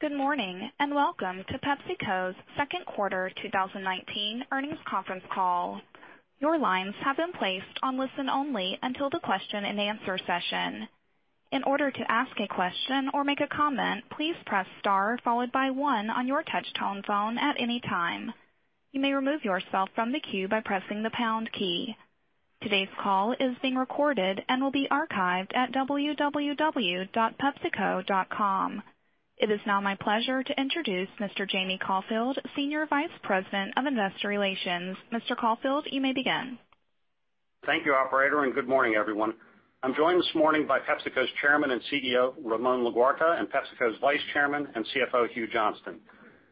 Good morning, and welcome to PepsiCo's second quarter 2019 earnings conference call. Your lines have been placed on listen only until the question-and- answer session. In order to ask a question or make a comment, please press star followed by one on your touchtone phone at any time. You may remove yourself from the queue by pressing the pound key. Today's call is being recorded and will be archived at pepsico.com. It is now my pleasure to introduce Mr. Jamie Caulfield, Senior Vice President of Investor Relations. Mr. Caulfield, you may begin. Thank you operator, and good morning, everyone. I'm joined this morning by PepsiCo's Chairman and CEO, Ramon Laguarta, and PepsiCo's Vice Chairman and CFO, Hugh Johnston.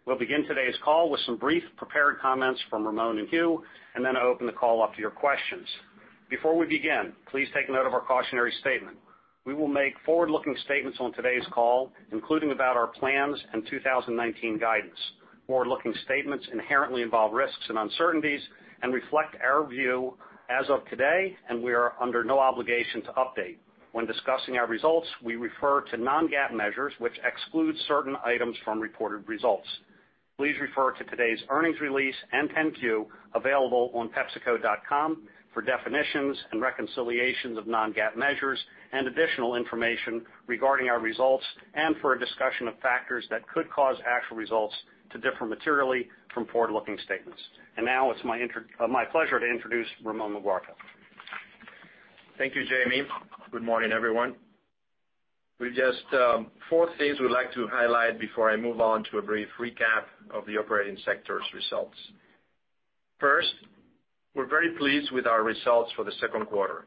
We'll begin today's call with some brief prepared comments from Ramon and Hugh, and then open the call up to your questions. Before we begin, please take note of our cautionary statement. We will make forward-looking statements on today's call, including about our plans and 2019 guidance. Forward-looking statements inherently involve risks and uncertainties and reflect our view as of today, and we are under no obligation to update. When discussing our results, we refer to non-GAAP measures, which excludes certain items from reported results. Please refer to today's earnings release and 10-Q available on pepsico.com for definitions and reconciliations of non-GAAP measures, and additional information regarding our results, and for a discussion of factors that could cause actual results to differ materially from forward-looking statements. Now it's my pleasure to introduce Ramon Laguarta. Thank you, Jamie. Good morning, everyone. Just four things we'd like to highlight before I move on to a brief recap of the operating sector's results. First, we're very pleased with our results for the second quarter.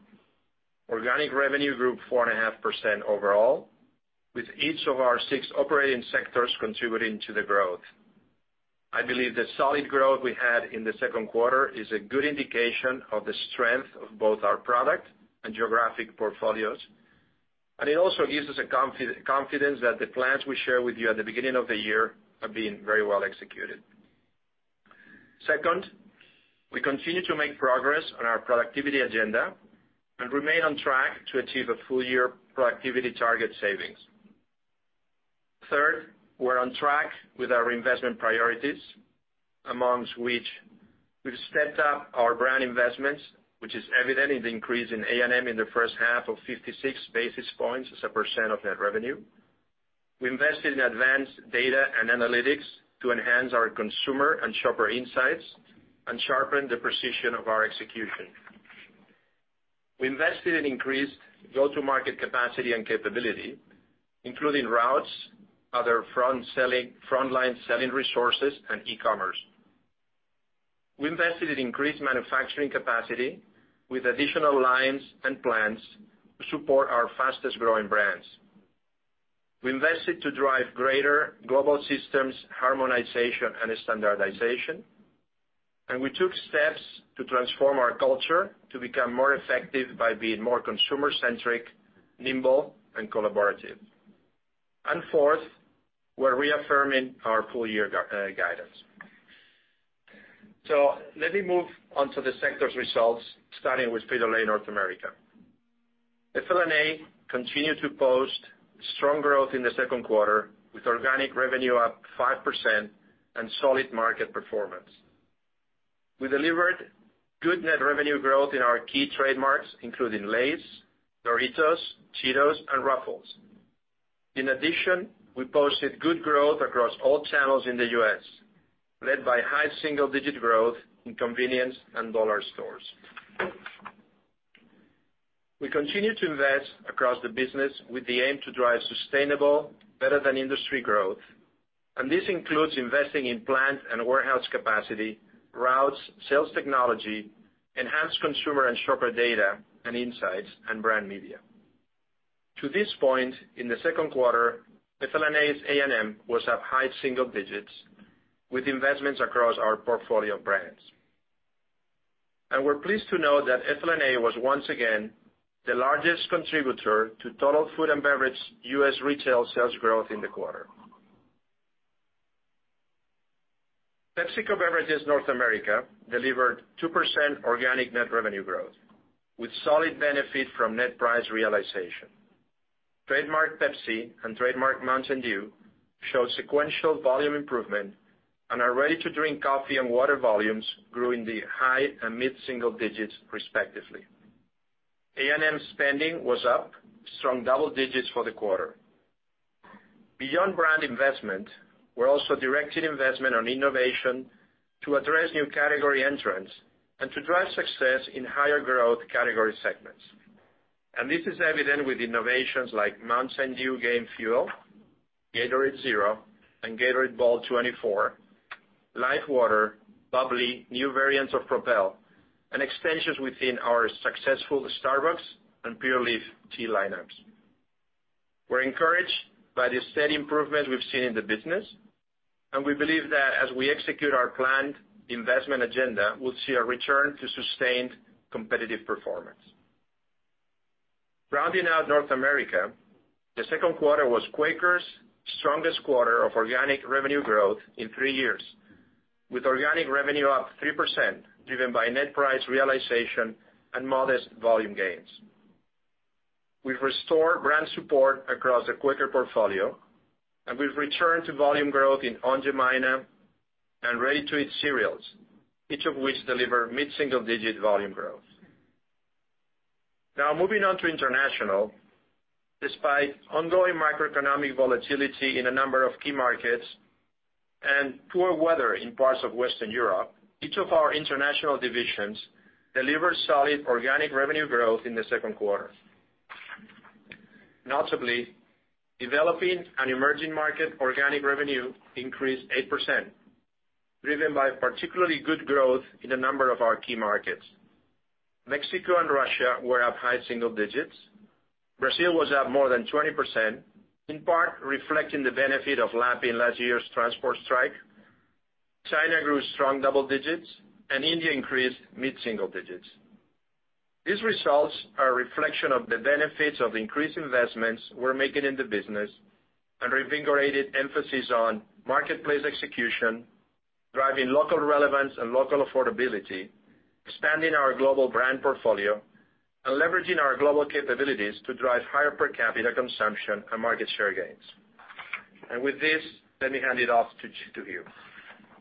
Organic revenue grew 4.5% overall, with each of our six operating sectors contributing to the growth. I believe the solid growth we had in the second quarter is a good indication of the strength of both our product and geographic portfolios, and it also gives us a confidence that the plans we shared with you at the beginning of the year are being very well executed. Second, we continue to make progress on our productivity agenda and remain on track to achieve a full year productivity target savings. Third, we're on track with our investment priorities, amongst which we've stepped up our brand investments, which is evident in the increase in A&M in the first half of 56 basis points as a percent of net revenue. We invested in advanced data and analytics to enhance our consumer and shopper insights and sharpen the precision of our execution. We invested in increased go-to-market capacity and capability, including routes, other frontline selling resources, and e-commerce. We invested in increased manufacturing capacity with additional lines and plans to support our fastest-growing brands. We invested to drive greater global systems harmonization and standardization, and we took steps to transform our culture to become more effective by being more consumer-centric, nimble, and collaborative. Fourth, we're reaffirming our full-year guidance. Let me move on to the sector's results, starting with Frito-Lay North America. FLNA continued to post strong growth in the second quarter, with organic revenue up 5% and solid market performance. We delivered good net revenue growth in our key trademarks, including Lay's, Doritos, Cheetos, and Ruffles. In addition, we posted good growth across all channels in the U.S., led by high single-digit growth in convenience and dollar stores. We continue to invest across the business with the aim to drive sustainable, better than industry growth, and this includes investing in plant and warehouse capacity, routes, sales technology, enhanced consumer and shopper data and insights, and brand media. To this point, in the second quarter, FLNA's A&M was up high single digits with investments across our portfolio of brands. We're pleased to note that FLNA was once again the largest contributor to total food and beverage U.S. retail sales growth in the quarter. PepsiCo Beverages North America delivered 2% organic net revenue growth, with solid benefit from net price realization. Trademark Pepsi and trademark Mountain Dew showed sequential volume improvement and our ready-to-drink coffee and water volumes grew in the high and mid-single digits respectively. A&M spending was up strong double digits for the quarter. Beyond brand investment, we're also directing investment on innovation to address new category entrants and to drive success in higher growth category segments. This is evident with innovations like Mountain Dew Game Fuel, Gatorade Zero, and BOLT24, LIFEWTR, bubly, new variants of Propel, and extensions within our successful Starbucks and Pure Leaf tea lineups. We're encouraged by the steady improvements we've seen in the business, and we believe that as we execute our planned investment agenda, we'll see a return to sustained competitive performance. Rounding out North America, the second quarter was Quaker's strongest quarter of organic revenue growth in three years. With organic revenue up 3%, driven by net price realization and modest volume gains. We've restored brand support across the Quaker portfolio, and we've returned to volume growth in Aunt Jemima and Ready to Eat cereals, each of which deliver mid-single digit volume growth. Now, moving on to international. Despite ongoing macroeconomic volatility in a number of key markets and poor weather in parts of Western Europe, each of our international divisions delivered solid organic revenue growth in the second quarter. Notably, developing and emerging market organic revenue increased 8%, driven by particularly good growth in a number of our key markets. Mexico and Russia were up high single digits. Brazil was up more than 20%, in part reflecting the benefit of lapping last year's transport strike. China grew strong double digits, and India increased mid-single digits. These results are a reflection of the benefits of increased investments we're making in the business and reinvigorated emphasis on marketplace execution, driving local relevance and local affordability, expanding our global brand portfolio, and leveraging our global capabilities to drive higher per capita consumption and market share gains. With this, let me hand it off to Hugh.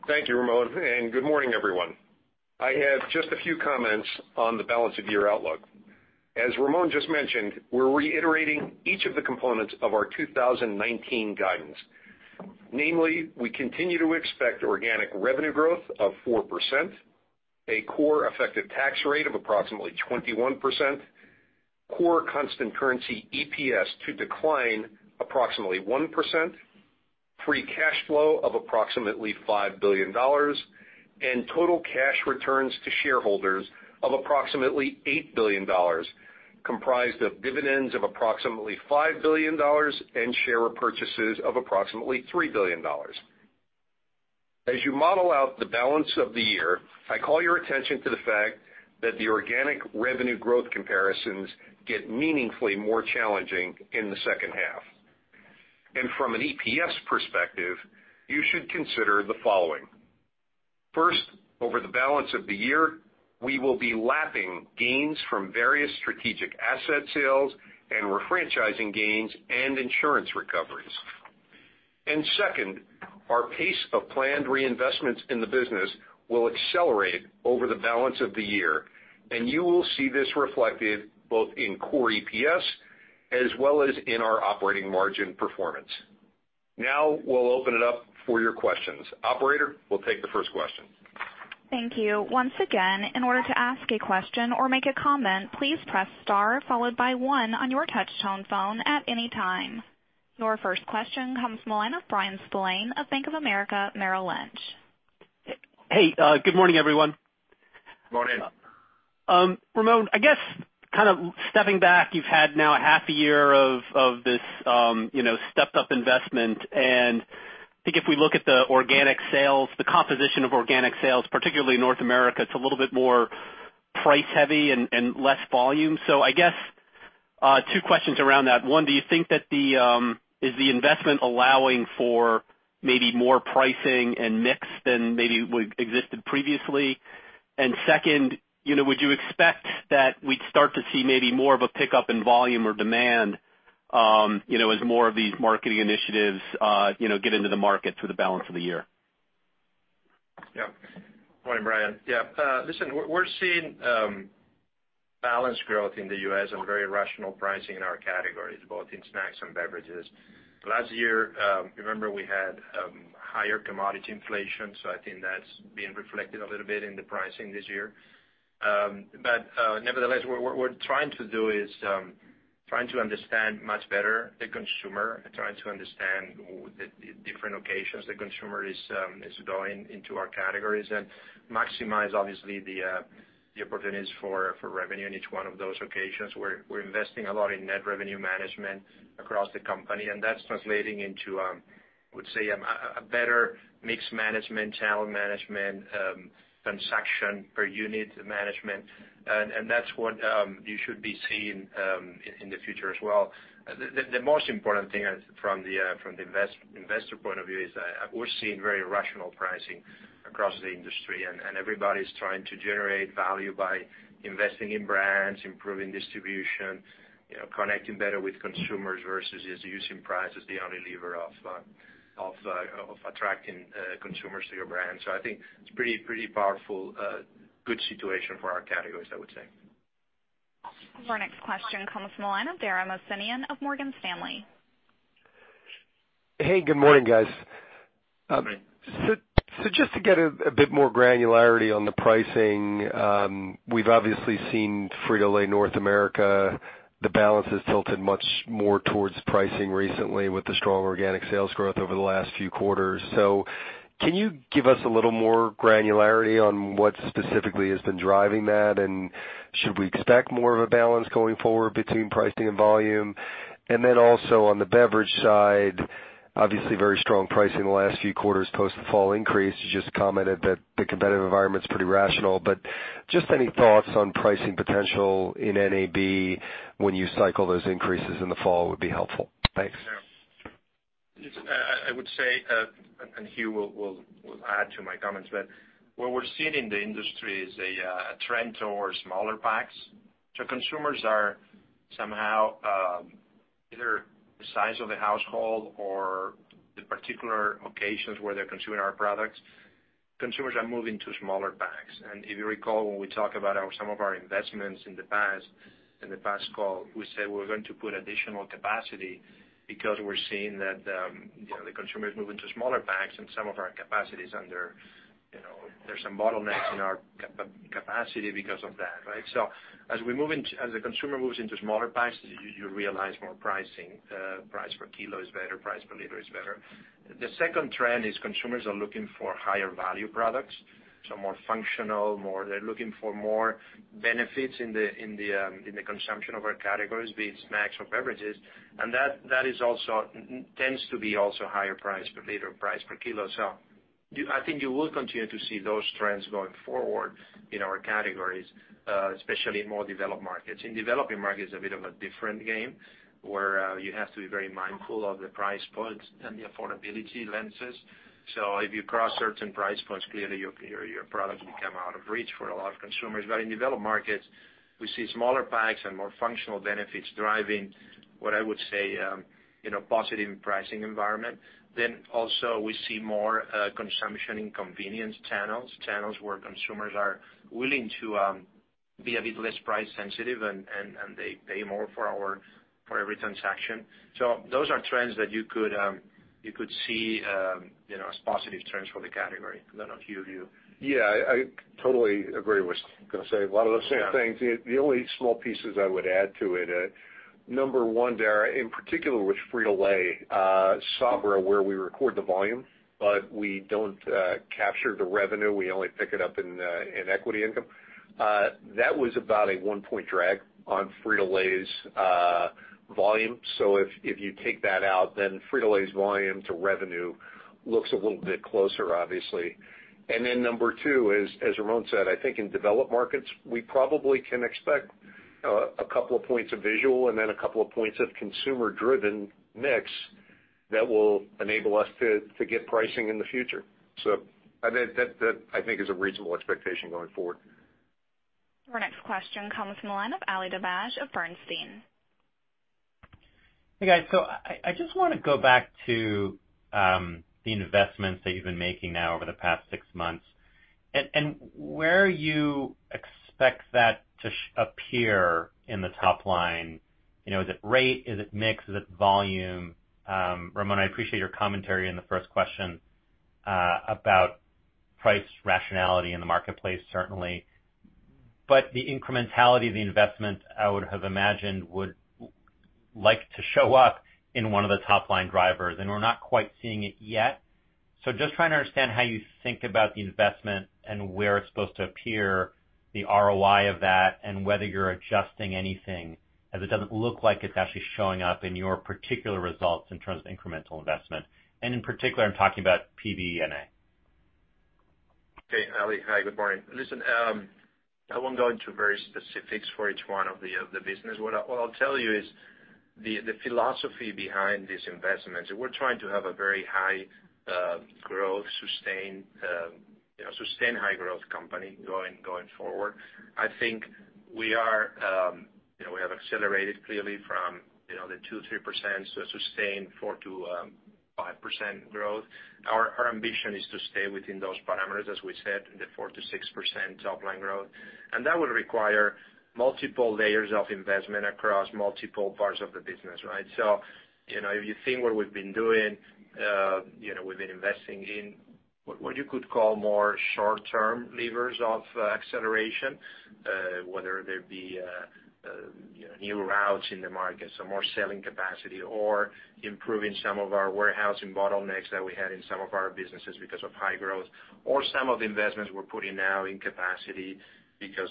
Thank you, Ramon, and good morning, everyone. I have just a few comments on the balance of year outlook. As Ramon just mentioned, we're reiterating each of the components of our 2019 guidance. Namely, we continue to expect organic revenue growth of 4%, a core effective tax rate of approximately 21%, core constant currency EPS to decline approximately 1%, free cash flow of approximately $5 billion, and total cash returns to shareholders of approximately $8 billion, comprised of dividends of approximately $5 billion and share repurchases of approximately $3 billion. As you model out the balance of the year, I call your attention to the fact that the organic revenue growth comparisons get meaningfully more challenging in the second half. From an EPS perspective, you should consider the following. First, over the balance of the year, we will be lapping gains from various strategic asset sales and refranchising gains and insurance recoveries. Second, our pace of planned reinvestments in the business will accelerate over the balance of the year, and you will see this reflected both in core EPS as well as in our operating margin performance. Now, we'll open it up for your questions. Operator, we'll take the first question. Thank you. Once again, in order to ask a question or make a comment, please press star followed by one on your touch-tone phone at any time. Your first question comes from the line of Bryan Spillane of Bank of America, Merrill Lynch. Hey, good morning, everyone. Morning. Ramon, I guess, stepping back, you've had now a half a year of this stepped up investment. I think if we look at the composition of organic sales, particularly North America, it's a little bit more price heavy and less volume. I guess, two questions around that. One, do you think is the investment allowing for maybe more pricing and mix than maybe existed previously? Second, would you expect that we'd start to see maybe more of a pickup in volume or demand as more of these marketing initiatives get into the market through the balance of the year? Yeah. Morning, Bryan. Yeah. Listen, we're seeing balanced growth in the U.S. very rational pricing in our categories, both in snacks and beverages. Last year, remember we had higher commodity inflation, I think that's being reflected a little bit in the pricing this year. Nevertheless, what we're trying to do is trying to understand much better the consumer, trying to understand the different occasions the consumer is going into our categories and maximize, obviously, the opportunities for revenue in each one of those occasions. We're investing a lot in net revenue management across the company, that's translating into, I would say, a better mix management, channel management, transaction per unit management. That's what you should be seeing in the future as well. The most important thing from the investor point of view is we're seeing very rational pricing across the industry, everybody's trying to generate value by investing in brands, improving distribution, connecting better with consumers versus just using price as the only lever of attracting consumers to your brand. I think it's pretty powerful, good situation for our categories, I would say. Our next question comes from the line of Dara Mohsenian of Morgan Stanley. Hey, good morning, guys. Morning. Just to get a bit more granularity on the pricing. We've obviously seen Frito-Lay North America, the balance has tilted much more towards pricing recently with the strong organic sales growth over the last few quarters. Can you give us a little more granularity on what specifically has been driving that? Should we expect more of a balance going forward between pricing and volume? Then also on the beverage side, obviously very strong pricing the last few quarters post the fall increase. You just commented that the competitive environment's pretty rational, but just any thoughts on pricing potential in NAB when you cycle those increases in the fall would be helpful. Thanks. I would say, Hugh will add to my comments, what we're seeing in the industry is a trend towards smaller packs. Consumers are somehow, either the size of the household or the particular occasions where they're consuming our products, consumers are moving to smaller packs. If you recall, when we talk about some of our investments in the past call, we said we're going to put additional capacity because we're seeing that the consumers move into smaller packs and some of our capacity there's some bottlenecks in our capacity because of that. As the consumer moves into smaller packs, you realize more pricing. Price per kilo is better, price per liter is better. The second trend is consumers are looking for higher value products, more functional. They're looking for more benefits in the consumption of our categories, be it snacks or beverages. That tends to be also higher price per liter, price per kilo. I think you will continue to see those trends going forward in our categories, especially in more developed markets. In developing markets, a bit of a different game, where you have to be very mindful of the price points and the affordability lenses. If you cross certain price points, clearly your products become out of reach for a lot of consumers. In developed markets, we see smaller packs and more functional benefits driving, what I would say, positive pricing environment. Also we see more consumption in convenience channels where consumers are willing to be a bit less price sensitive and they pay more for every transaction. Those are trends that you could see as positive trends for the category. I don't know, Hugh, you. I totally agree with I was going to say a lot of those same things. The only small pieces I would add to it, number one there, in particular with Frito-Lay, Sabra, where we record the volume, but we don't capture the revenue, we only pick it up in equity income. That was about a 1-point drag on Frito-Lay's volume. If you take that out, then Frito-Lay's volume to revenue looks a little bit closer, obviously. Number two is, as Ramon said, I think in developed markets, we probably can expect a couple of points of visual and then a couple of points of consumer-driven mix that will enable us to get pricing in the future. That, I think is a reasonable expectation going forward. Your next question comes from the line of Ali Dibadj of Bernstein. Hey, guys. I just want to go back to the investments that you've been making now over the past six months, and where you expect that to appear in the top line. Is it rate? Is it mix? Is it volume? Ramon, I appreciate your commentary in the first question about price rationality in the marketplace, certainly. The incrementality of the investment, I would have imagined, would like to show up in one of the top-line drivers, and we're not quite seeing it yet. Just trying to understand how you think about the investment and where it's supposed to appear, the ROI of that, and whether you're adjusting anything, as it doesn't look like it's actually showing up in your particular results in terms of incremental investment. In particular, I'm talking about PBNA. Okay, Ali. Hi, good morning. Listen, I won't go into very specifics for each one of the business. What I'll tell you is the philosophy behind these investments, we're trying to have a very high growth sustained, high growth company going forward. I think we have accelerated clearly from the 2%, 3%, so a sustained 4% to 5% growth. Our ambition is to stay within those parameters, as we said, the 4% to 6% top line growth. That will require multiple layers of investment across multiple parts of the business. If you think what we've been doing, we've been investing in what you could call more short-term levers of acceleration, whether they be new routes in the market, so more selling capacity or improving some of our warehousing bottlenecks that we had in some of our businesses because of high growth or some of the investments we're putting now in capacity because,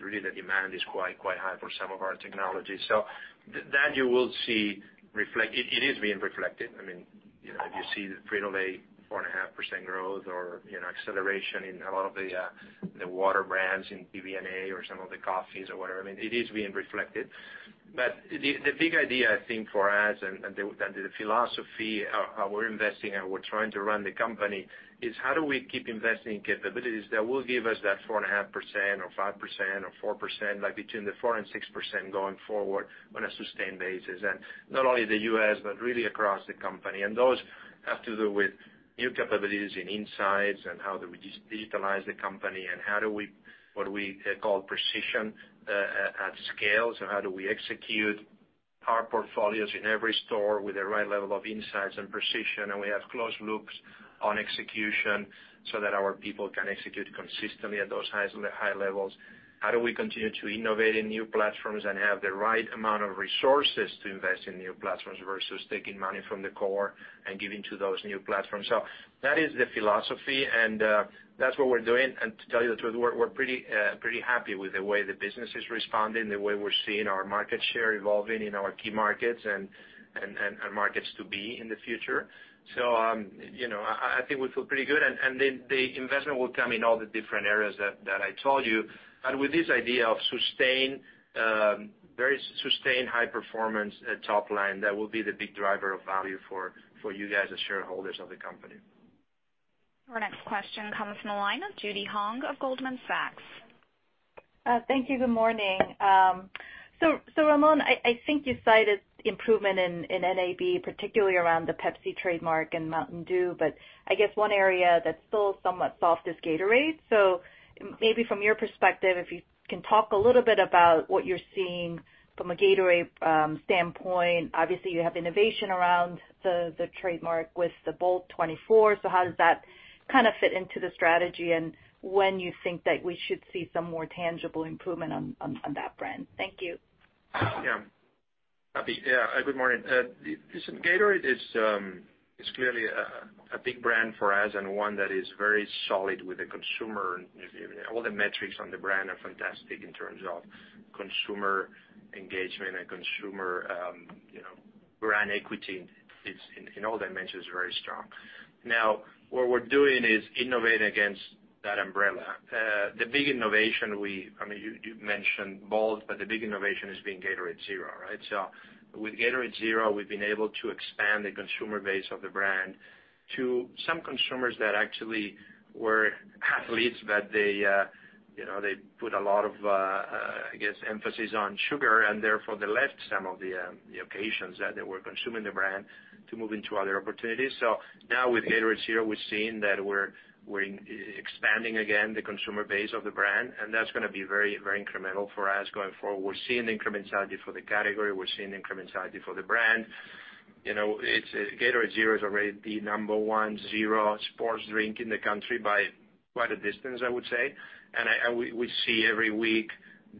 really the demand is quite high for some of our technology. That you will see it is being reflected. If you see Frito-Lay, 4.5% growth or acceleration in a lot of the water brands in PBNA or some of the coffees or whatever, it is being reflected. The big idea, I think for us and the philosophy, how we're investing and we're trying to run the company, is how do we keep investing in capabilities that will give us that 4.5% or 5% or 4%, like between the 4% and 6% going forward on a sustained basis. Not only the U.S., but really across the company. Those have to do with new capabilities in insights and how do we digitalize the company and how do we, what we call precision at scale. How do we execute our portfolios in every store with the right level of insights and precision, and we have closed loops on execution so that our people can execute consistently at those high levels. How do we continue to innovate in new platforms and have the right amount of resources to invest in new platforms versus taking money from the core and giving to those new platforms. That is the philosophy, and that's what we're doing. To tell you the truth, we're pretty happy with the way the business is responding, the way we're seeing our market share evolving in our key markets and our markets to be in the future. I think we feel pretty good, and then the investment will come in all the different areas that I told you. With this idea of very sustained high performance at top line, that will be the big driver of value for you guys as shareholders of the company. Our next question comes from the line of Judy Hong of Goldman Sachs. Thank you. Good morning. Ramon, I think you cited improvement in NAB, particularly around the Pepsi trademark and Mountain Dew, I guess one area that's still somewhat soft is Gatorade. Maybe from your perspective, if you can talk a little bit about what you're seeing from a Gatorade standpoint. Obviously, you have innovation around the trademark with the BOLT24, how does that fit into the strategy, and when you think that we should see some more tangible improvement on that brand? Thank you. Happy. Good morning. Listen, Gatorade is clearly a big brand for us and one that is very solid with the consumer. All the metrics on the brand are fantastic in terms of consumer engagement and consumer brand equity. In all dimensions, very strong. What we're doing is innovating against that umbrella. You mentioned Bolt, the big innovation has been Gatorade Zero, right? With Gatorade Zero, we've been able to expand the consumer base of the brand to some consumers that actually were athletes, They put a lot of, I guess, emphasis on sugar and therefore they left some of the occasions that they were consuming the brand to move into other opportunities. Now with Gatorade Zero, we're seeing that we're expanding again the consumer base of the brand, and that's going to be very incremental for us going forward. We're seeing the incrementality for the category. We're seeing the incrementality for the brand. Gatorade Zero is already the number 1 zero sports drink in the country by quite a distance, I would say. We see every week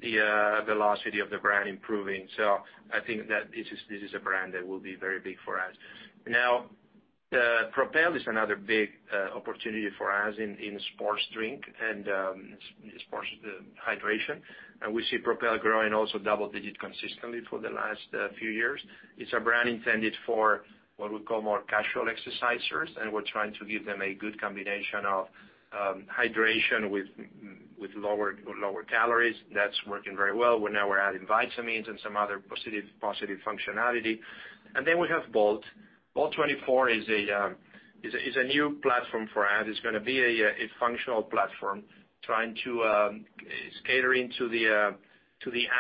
the velocity of the brand improving. I think that this is a brand that will be very big for us. Propel is another big opportunity for us in sports drink and sports hydration. We see Propel growing also double-digit consistently for the last few years. It's a brand intended for what we call more casual exercisers, and we're trying to give them a good combination of hydration with lower calories. That's working very well. Now we're adding vitamins and some other positive functionality. Then we have Bolt. BOLT24 is a new platform for us. It's going to be a functional platform catering to the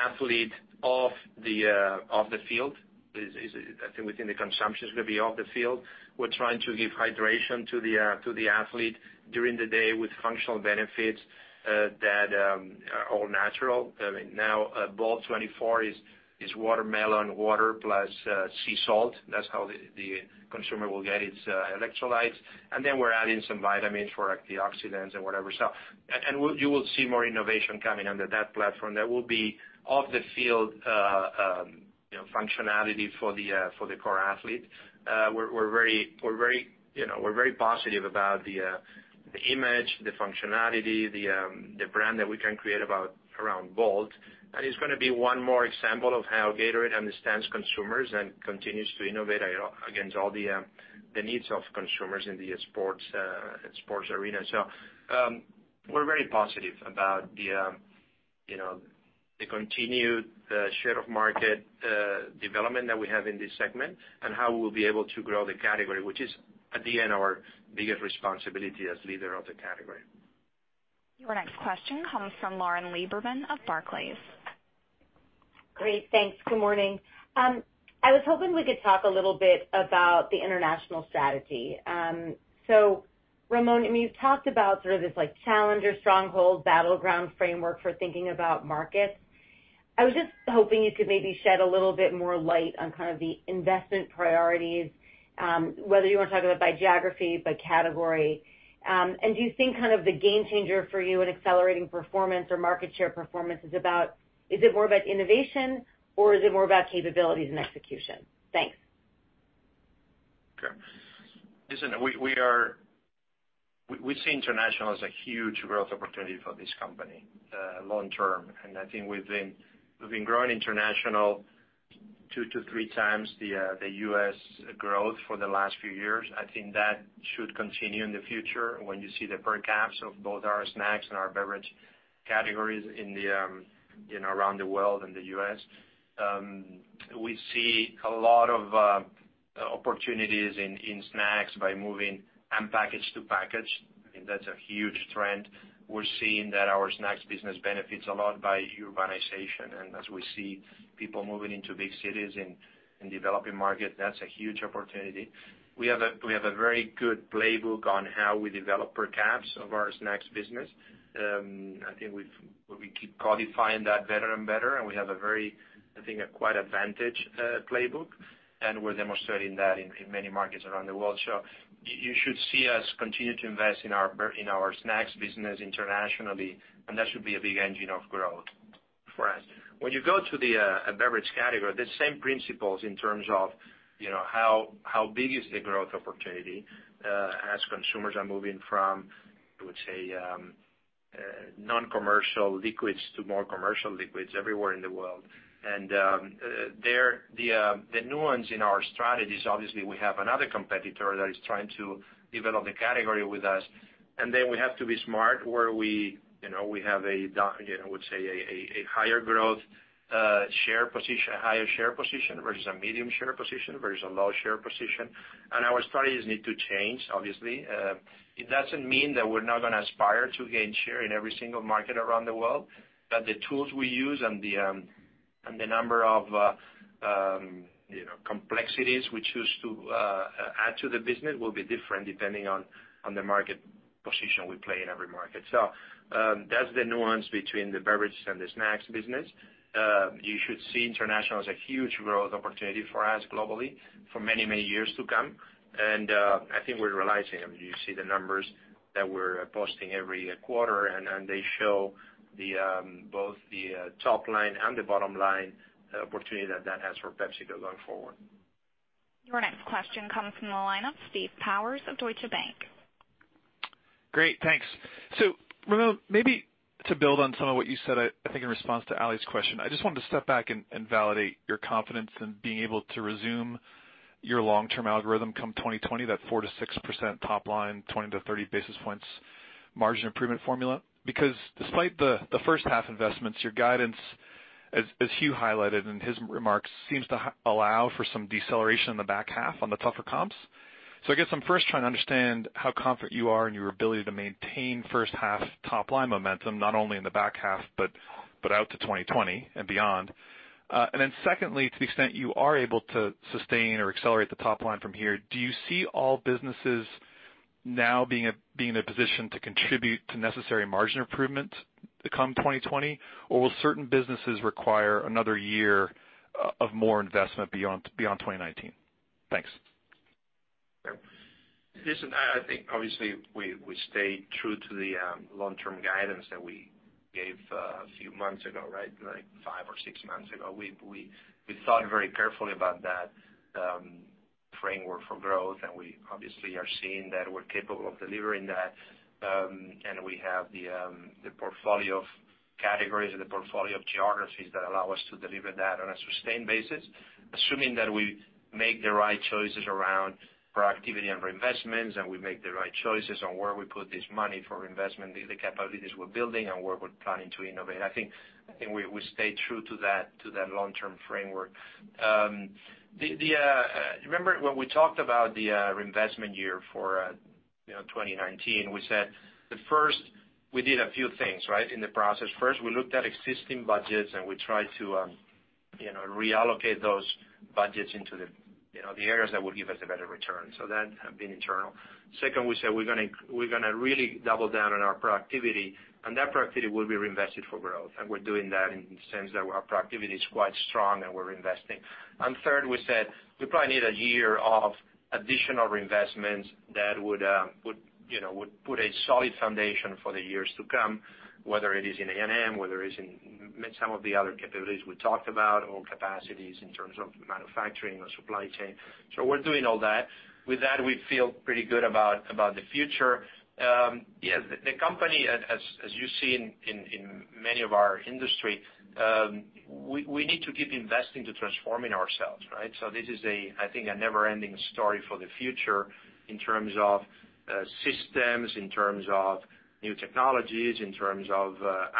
athlete off the field. I think within the consumption, it's going to be off the field. We're trying to give hydration to the athlete during the day with functional benefits that are all-natural. Bolt24 is watermelon, water, plus sea salt. That's how the consumer will get its electrolytes. Then we're adding some vitamins for antioxidants and whatever. You will see more innovation coming under that platform that will be off the field functionality for the core athlete. We're very positive about the image, the functionality, the brand that we can create around Bolt. It's going to be one more example of how Gatorade understands consumers and continues to innovate against all the needs of consumers in the sports arena. We're very positive about the continued share of market development that we have in this segment and how we'll be able to grow the category, which is at the end, our biggest responsibility as leader of the category. Your next question comes from Lauren Lieberman of Barclays. Great. Thanks. Good morning. I was hoping we could talk a little bit about the international strategy. Ramon, you've talked about this challenger stronghold battleground framework for thinking about markets. I was just hoping you could maybe shed a little bit more light on kind of the investment priorities, whether you want to talk about by geography, by category. Do you think the game changer for you in accelerating performance or market share performance, is it more about innovation or is it more about capabilities and execution? Thanks. Okay. Listen, we see international as a huge growth opportunity for this company, long term. I think we've been growing international two to three times the U.S. growth for the last few years. I think that should continue in the future when you see the per caps of both our snacks and our beverage categories around the world and the U.S. We see a lot of opportunities in snacks by moving unpackaged to packaged. I think that's a huge trend. We're seeing that our snacks business benefits a lot by urbanization. As we see people moving into big cities in developing markets, that's a huge opportunity. We have a very good playbook on how we develop per caps of our snacks business. I think we keep codifying that better and better, and we have a very, I think, quite advantage playbook, and we're demonstrating that in many markets around the world. You should see us continue to invest in our snacks business internationally, and that should be a big engine of growth for us. When you go to the beverage category, the same principles in terms of how big is the growth opportunity, as consumers are moving from, I would say, non-commercial liquids to more commercial liquids everywhere in the world. The nuance in our strategy is obviously we have another competitor that is trying to develop the category with us. We have to be smart where we have, I would say, a higher growth, share position, a higher share position versus a medium share position versus a low share position. Our strategies need to change, obviously. It doesn't mean that we're not going to aspire to gain share in every single market around the world, but the tools we use and the number of complexities we choose to add to the business will be different depending on the market position we play in every market. That's the nuance between the beverages and the snacks business. You should see international as a huge growth opportunity for us globally for many, many years to come, and I think we're realizing them. You see the numbers that we're posting every quarter, and they show both the top line and the bottom line opportunity that has for PepsiCo going forward. Your next question comes from the line of Steve Powers of Deutsche Bank. Great, thanks. Ramon, maybe to build on some of what you said, I think in response to Ali's question. I just wanted to step back and validate your confidence in being able to resume your long-term algorithm come 2020, that 4%-6% top line, 20 to 30 basis points margin improvement formula. Because despite the first half investments, your guidance, as Hugh highlighted in his remarks, seems to allow for some deceleration in the back half on the tougher comps. I guess I'm first trying to understand how confident you are in your ability to maintain first half top line momentum, not only in the back half, but out to 2020 and beyond. Secondly, to the extent you are able to sustain or accelerate the top line from here, do you see all businesses now being in a position to contribute to necessary margin improvement to come 2020? Or will certain businesses require another year of more investment beyond 2019? Thanks. Listen, I think obviously we stay true to the long-term guidance that we gave a few months ago, right? Like five or six months ago. We thought very carefully about that framework for growth, we obviously are seeing that we're capable of delivering that. We have the portfolio of categories and the portfolio of geographies that allow us to deliver that on a sustained basis, assuming that we make the right choices around productivity and reinvestments, we make the right choices on where we put this money for investment, the capabilities we're building and where we're planning to innovate. I think we stay true to that long-term framework. Remember when we talked about the reinvestment year for 2019, we said that first we did a few things, right, in the process. First, we looked at existing budgets, we tried to reallocate those budgets into the areas that will give us a better return. That had been internal. Second, we said we're going to really double down on our productivity, that productivity will be reinvested for growth. We're doing that in the sense that our productivity is quite strong and we're investing. Third, we said we probably need a year of additional reinvestments that would put a solid foundation for the years to come, whether it is in A&M, whether it is in some of the other capabilities we talked about, or capacities in terms of manufacturing or supply chain. We're doing all that. With that, we feel pretty good about the future. The company, as you see in many of our industry, we need to keep investing to transforming ourselves, right? This is, I think, a never-ending story for the future in terms of systems, in terms of new technologies, in terms of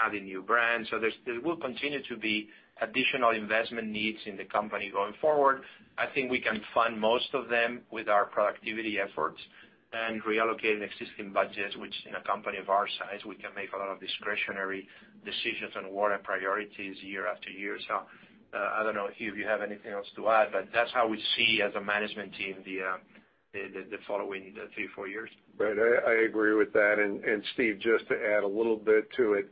adding new brands. There will continue to be additional investment needs in the company going forward. I think we can fund most of them with our productivity efforts and reallocating existing budgets, which in a company of our size, we can make a lot of discretionary decisions on what are priorities year after year. I don't know, Hugh, if you have anything else to add, but that's how we see as a management team the following three, four years. Right. I agree with that. Steve, just to add a little bit to it.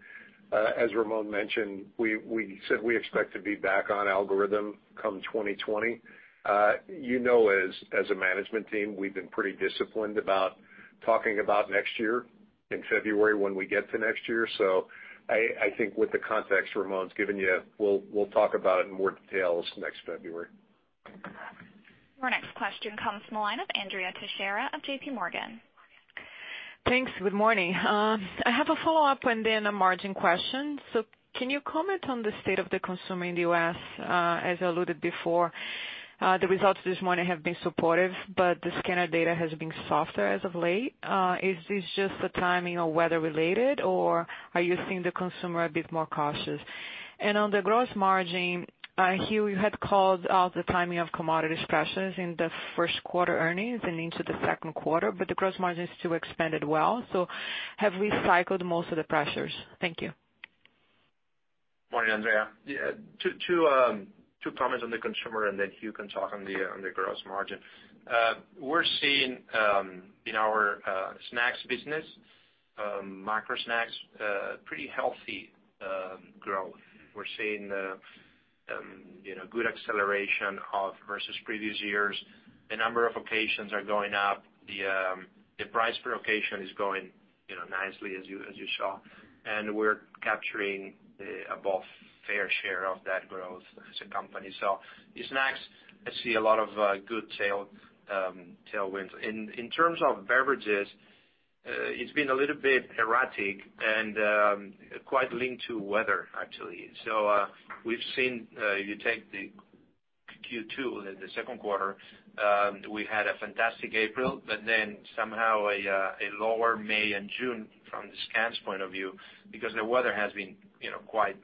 As Ramon mentioned, we said we expect to be back on algorithm come 2020. You know as a management team, we've been pretty disciplined about talking about next year in February when we get to next year. I think with the context Ramon's given you, we'll talk about it in more details next February. Our next question comes from the line of Andrea Teixeira of JP Morgan. Thanks. Good morning. I have a follow-up and then a margin question. Can you comment on the state of the consumer in the U.S., as alluded before? The results this morning have been supportive, but the scanner data has been softer as of late. Is this just the timing or weather related, or are you seeing the consumer a bit more cautious? On the gross margin, Hugh, you had called out the timing of commodity pressures in the first quarter earnings and into the second quarter, but the gross margin still expanded well. Have we cycled most of the pressures? Thank you. Morning, Andrea. Two comments on the consumer. Then Hugh can talk on the gross margin. We're seeing in our snacks business, micro snacks, pretty healthy growth. We're seeing good acceleration versus previous years. The number of occasions are going up. The price per occasion is going nicely, as you saw. We're capturing above fair share of that growth as a company. In snacks, I see a lot of good tailwinds. In terms of beverages, it's been a little bit erratic and quite linked to weather, actually. We've seen, if you take the Q2, the second quarter, we had a fantastic April, somehow a lower May and June from the scans point of view, because the weather has been quite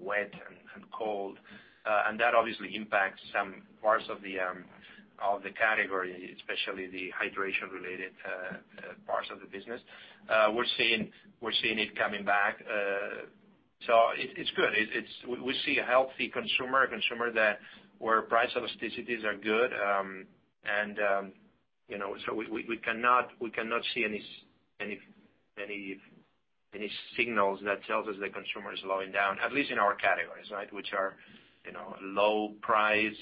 wet and cold. That obviously impacts some parts of the category, especially the hydration-related parts of the business. We're seeing it coming back. It's good. We see a healthy consumer, a consumer where price elasticities are good. We cannot see any signals that tells us the consumer is slowing down, at least in our categories, which are low price,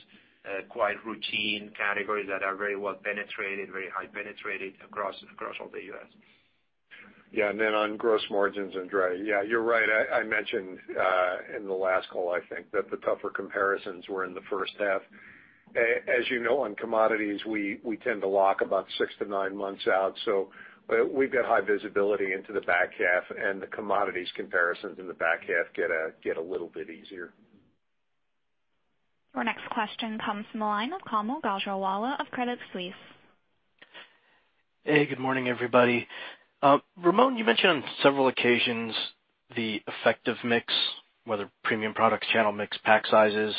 quite routine categories that are very well penetrated, very high penetrated across all the U.S. On gross margins, Andrea. You're right. I mentioned in the last call, I think, that the tougher comparisons were in the first half. As you know, on commodities, we tend to lock about six to nine months out, we've got high visibility into the back half, the commodities comparisons in the back half get a little bit easier. Your next question comes from the line of Kaumil Gajrawala of Credit Suisse. Hey, good morning, everybody. Ramon, you mentioned on several occasions the effective mix, whether premium products, channel mix, pack sizes,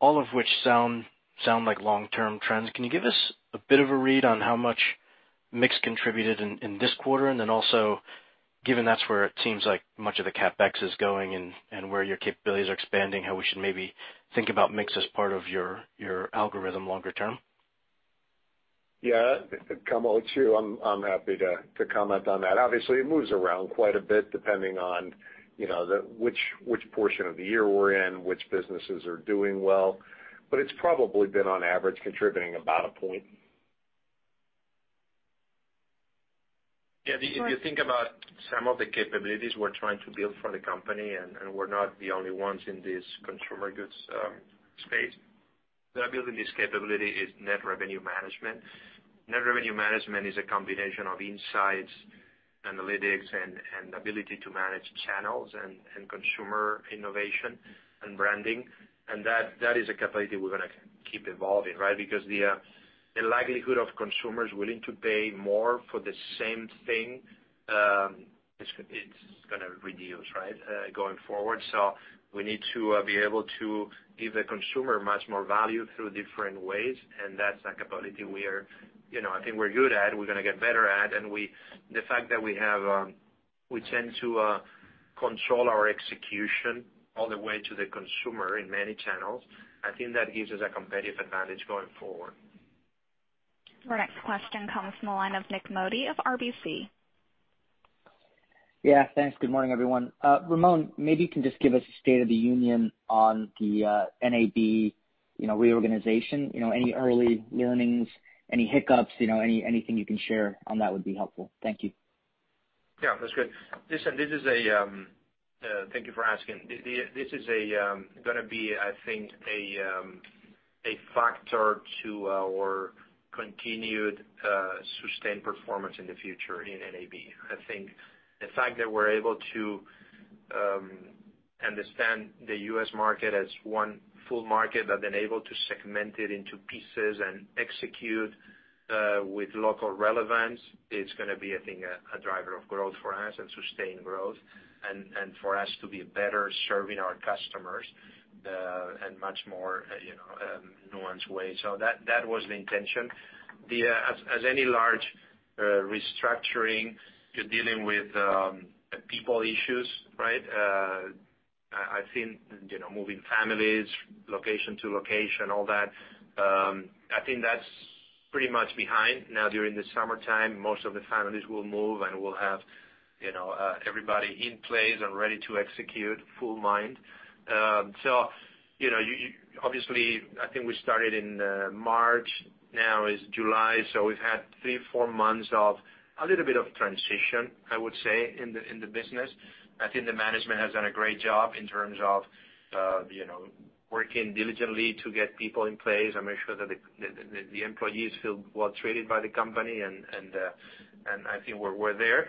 all of which sound like long-term trends. Can you give us a bit of a read on how much mix contributed in this quarter? Also, given that's where it seems like much of the CapEx is going and where your capabilities are expanding, how we should maybe think about mix as part of your algorithm longer term. Yeah. Kaumil, it's Hugh. I'm happy to comment on that. Obviously, it moves around quite a bit depending on which portion of the year we're in, which businesses are doing well. It's probably been on average contributing about a point. Yeah. If you think about some of the capabilities we're trying to build for the company, we're not the only ones in this consumer goods space, the ability, this capability is net revenue management. Net revenue management is a combination of insights, analytics and ability to manage channels and consumer innovation and branding, that is a capability we're going to keep evolving, right? The likelihood of consumers willing to pay more for the same thing, it's going to reduce, right, going forward. We need to be able to give the consumer much more value through different ways, that's a capability I think we're good at, we're going to get better at. The fact that we tend to control our execution all the way to the consumer in many channels, I think that gives us a competitive advantage going forward. Our next question comes from the line of Nik Modi of RBC. Yeah, thanks. Good morning, everyone. Ramon, maybe you can just give us a state of the union on the NAB reorganization. Any early learnings, any hiccups, anything you can share on that would be helpful? Thank you. That's good. Thank you for asking. This is going to be, I think, a factor to our continued sustained performance in the future in NAB. I think the fact that we're able to understand the U.S. market as one full market, have been able to segment it into pieces and execute with local relevance, it's going to be, I think, a driver of growth for us and sustained growth and for us to be better serving our customers in much more nuanced ways. That was the intention. As any large restructuring, you're dealing with people issues, right? I've seen moving families location to location, all that. I think that's pretty much behind now during the summertime. Most of the families will move, and we'll have everybody in place and ready to execute full mind. Obviously, I think we started in March. Now it's July, we've had three, four months of a little bit of transition, I would say, in the business. I think the management has done a great job in terms of working diligently to get people in place and make sure that the employees feel well treated by the company, and I think we're there.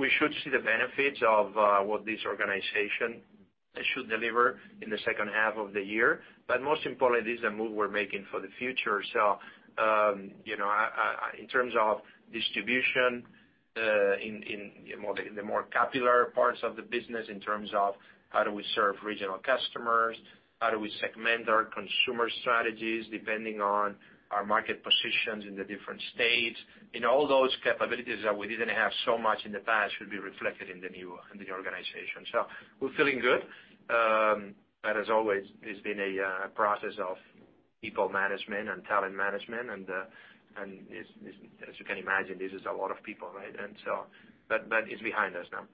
We should see the benefits of what this organization should deliver in the second half of the year. Most importantly, it's a move we're making for the future. In terms of distribution in the more popular parts of the business, in terms of how do we serve regional customers, how do we segment our consumer strategies depending on our market positions in the different states, and all those capabilities that we didn't have so much in the past should be reflected in the new organization. We're feeling good. As always, it's been a process of people management and talent management. As you can imagine, this is a lot of people, right? It's behind us now.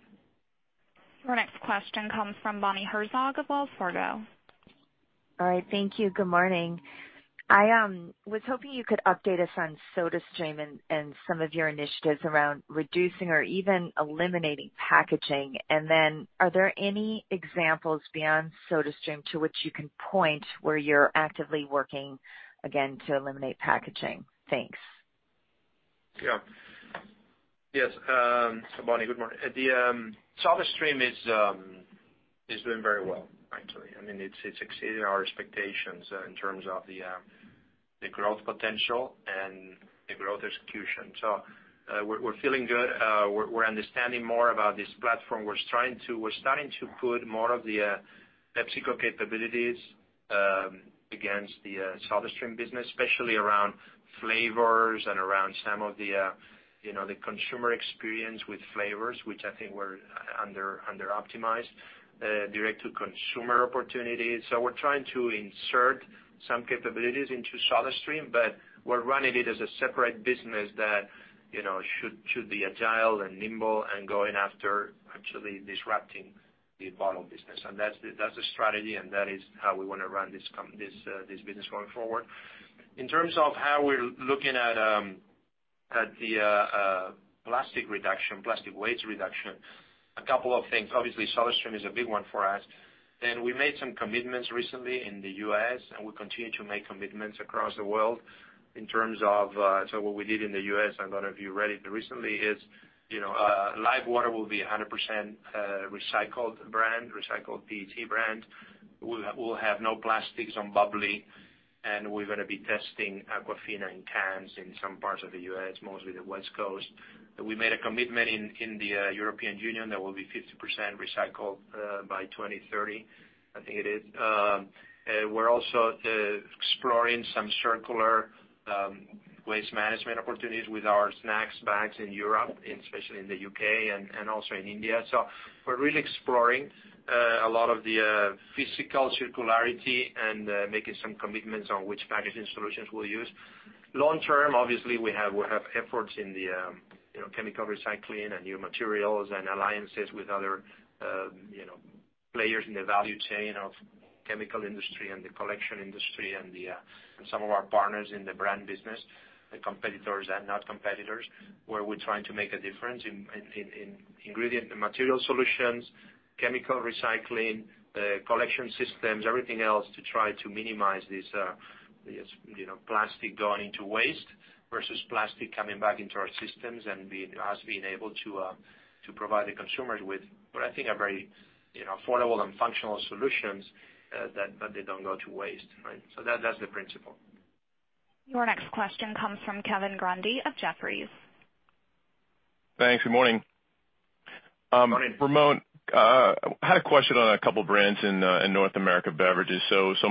Our next question comes from Bonnie Herzog of Wells Fargo. All right. Thank you. Good morning. I was hoping you could update us on SodaStream and some of your initiatives around reducing or even eliminating packaging. Then are there any examples beyond SodaStream to which you can point where you're actively working again to eliminate packaging? Thanks. Yeah. Yes. Bonnie, good morning. The SodaStream is doing very well, actually. It's exceeding our expectations in terms of the growth potential and the growth execution. We're feeling good. We're understanding more about this platform. We're starting to put more of the PepsiCo capabilities against the SodaStream business, especially around flavors and around some of the consumer experience with flavors, which I think were under-optimized, direct to consumer opportunities. We're trying to insert some capabilities into SodaStream, but we're running it as a separate business that should be agile and nimble and going after actually disrupting the bottle business. That's the strategy, and that is how we want to run this business going forward. In terms of how we're looking at the plastic waste reduction, a couple of things. Obviously, SodaStream is a big one for us. We made some commitments recently in the U.S., we continue to make commitments across the world in terms of what we did in the U.S., a lot of you read it recently, is LIFEWTR will be 100% recycled PET brand. We'll have no plastics on bubly, and we're going to be testing Aquafina in cans in some parts of the U.S., mostly the West Coast. We made a commitment in the European Union that will be 50% recycled by 2030, I think it is. We're also exploring some circular waste management opportunities with our snacks bags in Europe, and especially in the U.K. and also in India. We're really exploring a lot of the physical circularity and making some commitments on which packaging solutions we'll use. Long term, obviously, we have efforts in the chemical recycling and new materials and alliances with other players in the value chain of chemical industry and the collection industry and some of our partners in the brand business, the competitors and not competitors, where we're trying to make a difference in ingredient and material solutions, chemical recycling, collection systems, everything else to try to minimize this plastic going into waste versus plastic coming back into our systems and us being able to provide the consumers with what I think are very affordable and functional solutions that they don't go to waste. That's the principle. Your next question comes from Kevin Grundy of Jefferies. Thanks. Good morning. Morning. Ramon, I had a question on a couple brands in North America beverages.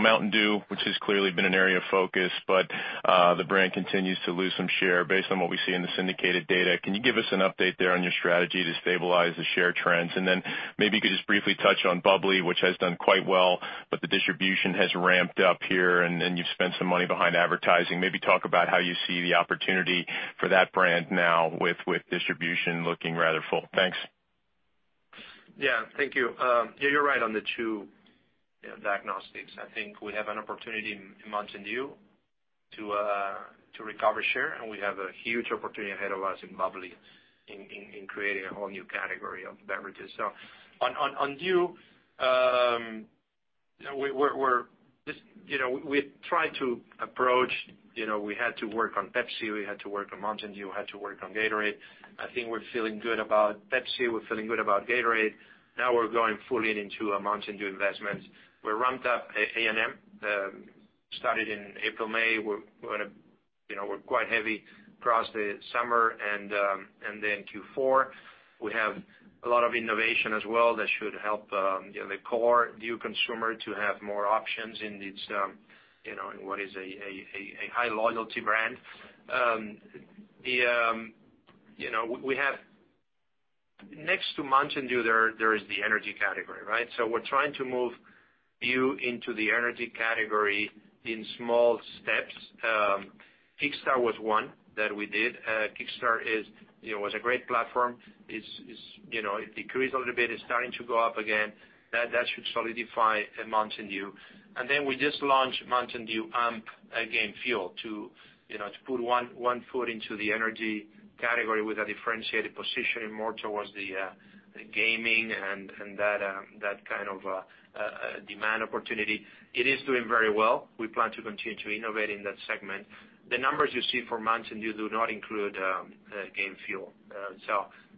Mountain Dew, which has clearly been an area of focus, the brand continues to lose some share based on what we see in the syndicated data. Can you give us an update there on your strategy to stabilize the share trends? Maybe you could just briefly touch on bubly, which has done quite well, the distribution has ramped up here and you've spent some money behind advertising. Maybe talk about how you see the opportunity for that brand now with distribution looking rather full. Thanks. Thank you. You're right on the two diagnostics. I think we have an opportunity in Mountain Dew to recover share, and we have a huge opportunity ahead of us in bubly in creating a whole new category of beverages. On Dew, we had to work on Pepsi, we had to work on Mountain Dew, had to work on Gatorade. I think we're feeling good about Pepsi. We're feeling good about Gatorade. Now we're going fully into Mountain Dew investments. We ramped up A&M, started in April/May. We're quite heavy across the summer and then Q4. We have a lot of innovation as well that should help the core Dew consumer to have more options in what is a high loyalty brand. Next to Mountain Dew, there is the energy category. We're trying to move Dew into the energy category in small steps. Kickstart was one that we did. Kickstart was a great platform. It decreased a little bit. It's starting to go up again. That should solidify Mountain Dew. We just launched MTN DEW AMP GAME FUEL to put 1 foot into the energy category with a differentiated position more towards the gaming and that kind of demand opportunity. It is doing very well. We plan to continue to innovate in that segment. The numbers you see for Mountain Dew do not include Game Fuel.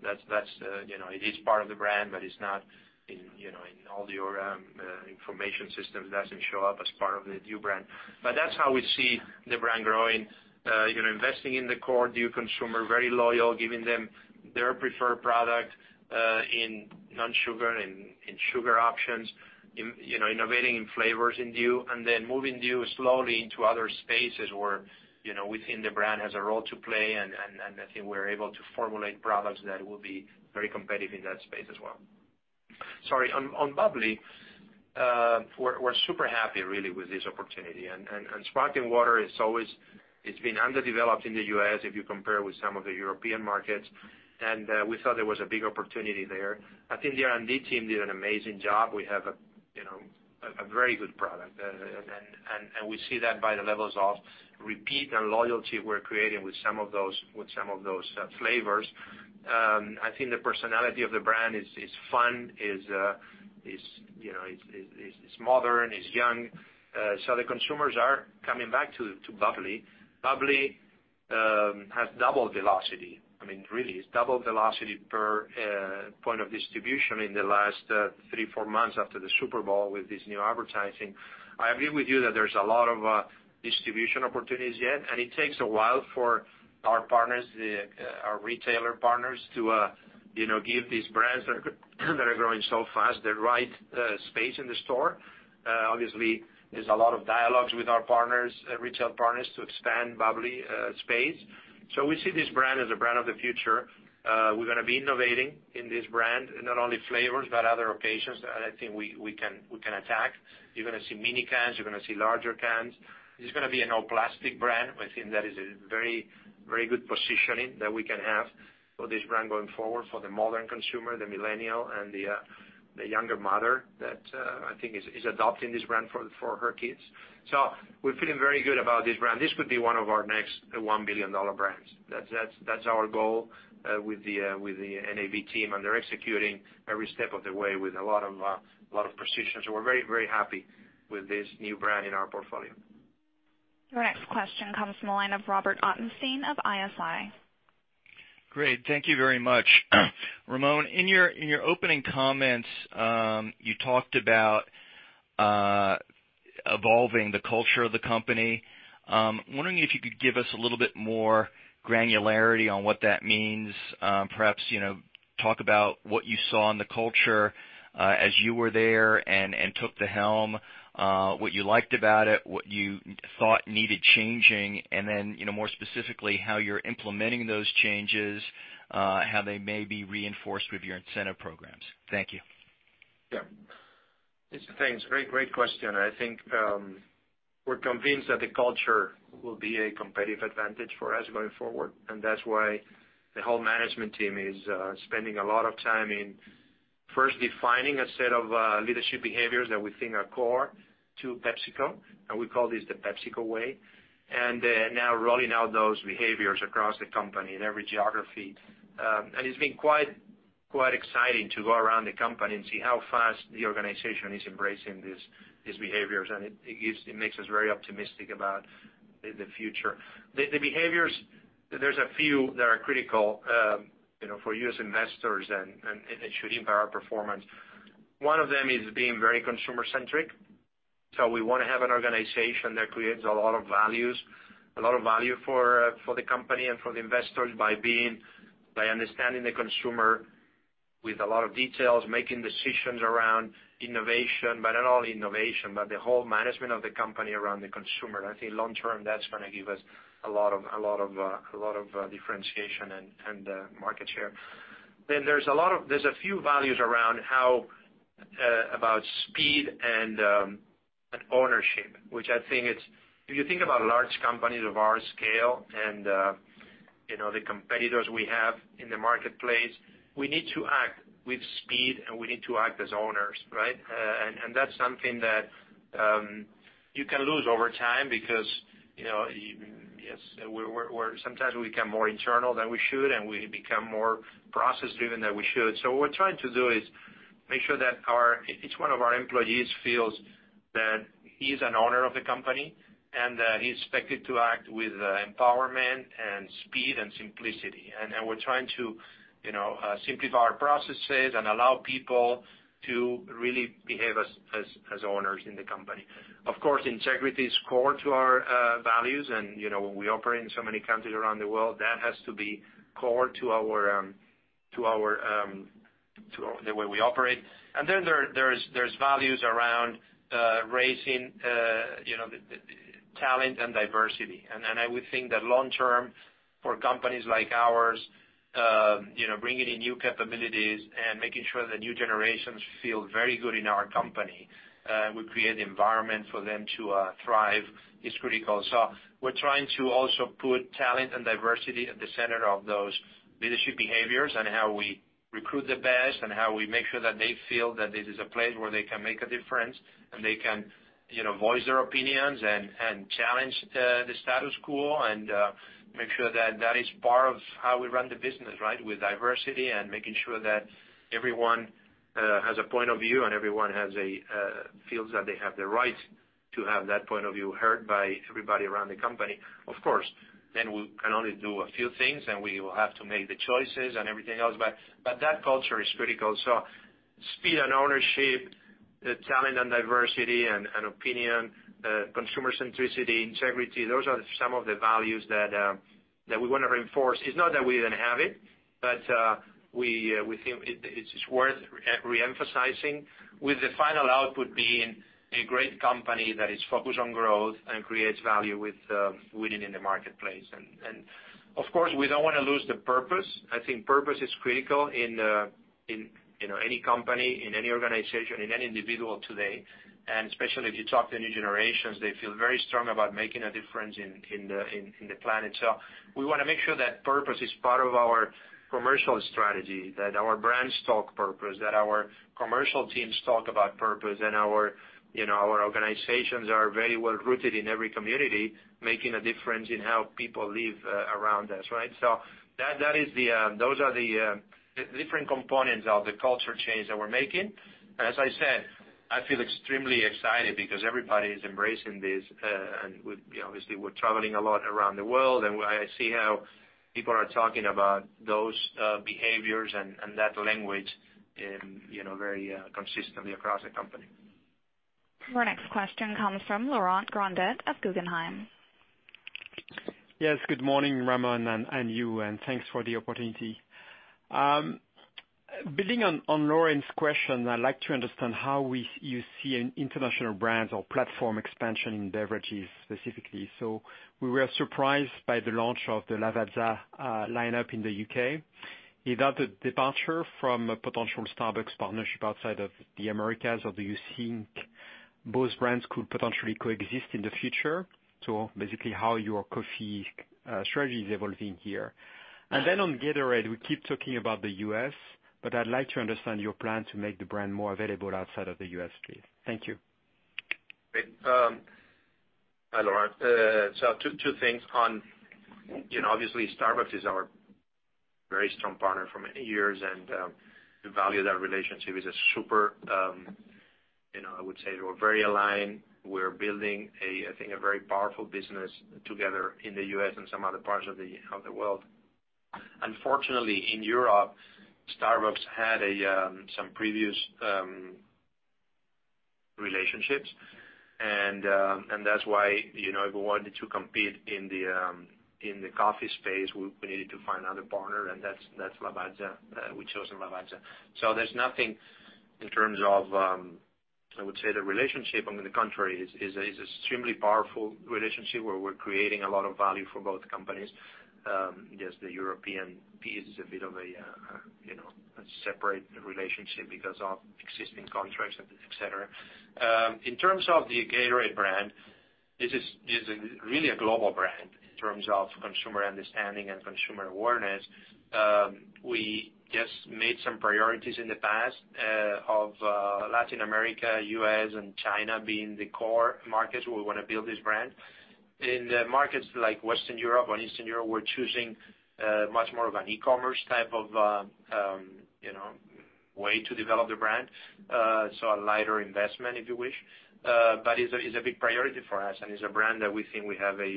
It is part of the brand, but it's not in all your information systems. It doesn't show up as part of the Dew brand. That's how we see the brand growing. Investing in the core Dew consumer, very loyal, giving them their preferred product in non-sugar and in sugar options, innovating in flavors in Dew, and then moving Dew slowly into other spaces where we think the brand has a role to play and I think we're able to formulate products that will be very competitive in that space as well. Sorry. On bubly, we're super happy really with this opportunity, and sparkling water it's been underdeveloped in the U.S. if you compare with some of the European markets, and we thought there was a big opportunity there. I think the R&D team did an amazing job. We have a very good product. We see that by the levels of repeat and loyalty we're creating with some of those flavors. I think the personality of the brand is fun, it's modern, it's young. The consumers are coming back to bubly. bubly has double velocity. Really, it's double velocity per point of distribution in the last 3, 4 months after the Super Bowl with this new advertising. I agree with you that there's a lot of distribution opportunities yet, and it takes a while for our partners, our retailer partners to give these brands that are growing so fast the right space in the store. Obviously, there's a lot of dialogues with our partners, retail partners to expand bubly space. We see this brand as a brand of the future. We're going to be innovating in this brand, in not only flavors, but other occasions that I think we can attack. You're going to see mini cans, you're going to see larger cans. This is going to be a no plastic brand. I think that is a very good positioning that we can have for this brand going forward for the modern consumer, the millennial, and the younger mother that I think is adopting this brand for her kids. We're feeling very good about this brand. This could be one of our next $1 billion brands. That's our goal with the NAB team, and they're executing every step of the way with a lot of precision. We're very happy with this new brand in our portfolio. Your next question comes from the line of Robert Ottenstein of Evercore ISI. Great. Thank you very much. Ramon, in your opening comments, you talked about evolving the culture of the company. I'm wondering if you could give us a little bit more granularity on what that means. Perhaps, talk about what you saw in the culture, as you were there and took the helm, what you liked about it, what you thought needed changing, and then, more specifically, how you're implementing those changes, how they may be reinforced with your incentive programs. Thank you. Yeah. Thanks. Great question. I think, we're convinced that the culture will be a competitive advantage for us going forward, and that's why the whole management team is spending a lot of time in first defining a set of leadership behaviors that we think are core to PepsiCo, and we call this The PepsiCo Way. Now rolling out those behaviors across the company in every geography. It's been quite exciting to go around the company and see how fast the organization is embracing these behaviors. It makes us very optimistic about the future. The behaviors, there's a few that are critical for you as investors and it should impact our performance. One of them is being very consumer-centric. We want to have an organization that creates a lot of value for the company and for the investors by understanding the consumer with a lot of details, making decisions around innovation, but not only innovation, but the whole management of the company around the consumer. I think long-term, that's going to give us a lot of differentiation and market share. There's a few values around how about speed and ownership, which I think If you think about large companies of our scale and the competitors we have in the marketplace, we need to act with speed, and we need to act as owners, right? That's something that you can lose over time because sometimes we become more internal than we should, and we become more process-driven than we should. What we're trying to do is make sure that each one of our employees feels that he is an owner of the company, and that he's expected to act with empowerment and speed and simplicity. We're trying to simplify our processes and allow people to really behave as owners in the company. Of course, integrity is core to our values, and we operate in so many countries around the world. That has to be core to the way we operate. There's values around raising talent and diversity. I would think that long-term for companies like ours, bringing in new capabilities and making sure the new generations feel very good in our company, we create the environment for them to thrive is critical. We're trying to also put talent and diversity at the center of those leadership behaviors and how we recruit the best and how we make sure that they feel that this is a place where they can make a difference, and they can voice their opinions and challenge the status quo and make sure that is part of how we run the business, right? With diversity and making sure that everyone has a point of view and everyone feels that they have the right to have that point of view heard by everybody around the company. Of course, we can only do a few things, and we will have to make the choices and everything else, but that culture is critical. Speed and ownership, talent and diversity and opinion, consumer-centricity, integrity, those are some of the values that we want to reinforce. It's not that we didn't have it, but we think it's worth re-emphasizing with the final output being a great company that is focused on growth and creates value with winning in the marketplace. Of course, we don't want to lose the purpose. I think purpose is critical in any company, in any organization, in any individual today. Especially if you talk to new generations, they feel very strong about making a difference in the planet. We want to make sure that purpose is part of our commercial strategy, that our brands talk purpose, that our commercial teams talk about purpose, and our organizations are very well-rooted in every community, making a difference in how people live around us, right? Those are the different components of the culture change that we're making. As I said, I feel extremely excited because everybody is embracing this. Obviously, we're traveling a lot around the world, and I see how people are talking about those behaviors and that language very consistently across the company. Our next question comes from Laurent Grandet of Guggenheim. Yes. Good morning, Ramon and you, and thanks for the opportunity. Building on Lauren's question, I'd like to understand how you see an international brand or platform expansion in beverages specifically. We were surprised by the launch of the Lavazza lineup in the U.K. Is that a departure from a potential Starbucks partnership outside of the Americas, or do you think both brands could potentially coexist in the future? Basically, how your coffee strategy is evolving here. Then on Gatorade, we keep talking about the U.S., but I'd like to understand your plan to make the brand more available outside of the U.S., please. Thank you. Great. Hi, Laurent. Two things on, obviously Starbucks is our very strong partner for many years, and we value that relationship is a super, I would say we're very aligned. We're building, I think, a very powerful business together in the U.S. and some other parts of the world. Unfortunately, in Europe, Starbucks had some previous relationships. That's why if we wanted to compete in the coffee space, we needed to find another partner, and that's Lavazza. We chosen Lavazza. There's nothing in terms of, I would say, the relationship. On the contrary, it's extremely powerful relationship where we're creating a lot of value for both companies. Just the European piece is a bit of a separate relationship because of existing contracts, et cetera. In terms of the Gatorade brand, this is really a global brand in terms of consumer understanding and consumer awareness. We just made some priorities in the past of Latin America, U.S., and China being the core markets where we want to build this brand. In the markets like Western Europe or Eastern Europe, we're choosing much more of an e-commerce type of way to develop the brand. A lighter investment, if you wish. It's a big priority for us, and it's a brand that we think we have a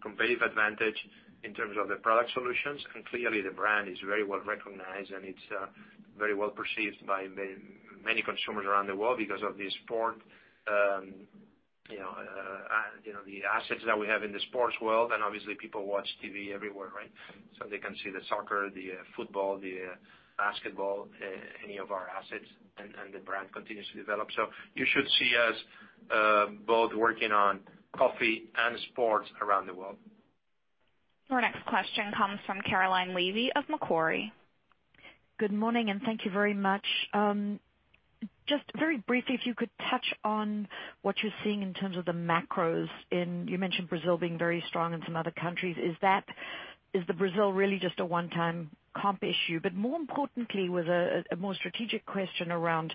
competitive advantage in terms of the product solutions. Clearly the brand is very well recognized, and it's very well perceived by many consumers around the world because of the assets that we have in the sports world. Obviously people watch TV everywhere, right? They can see the soccer, the football, the basketball, any of our assets, and the brand continues to develop. You should see us both working on coffee and sports around the world. Our next question comes from Caroline Levy of Macquarie. Good morning, thank you very much. Just very briefly, if you could touch on what you're seeing in terms of the macros in, you mentioned Brazil being very strong and some other countries. Is the Brazil really just a one-time comp issue? More importantly, with a more strategic question around